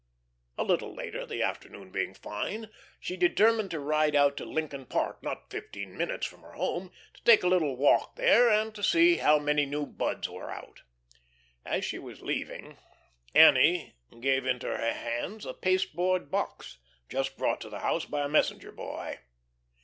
A little later, the afternoon being fine, she determined to ride out to Lincoln Park, not fifteen minutes from her home, to take a little walk there, and to see how many new buds were out. As she was leaving, Annie gave into her hands a pasteboard box, just brought to the house by a messenger boy.